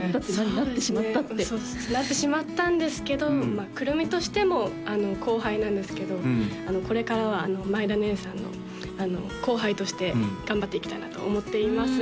「なってしまった」ってなってしまったんですけどまあ９６３としても後輩なんですけどこれからは前田ねえさんの後輩として頑張っていきたいなと思っています